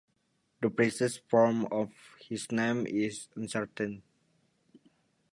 The precise form of his name is uncertain.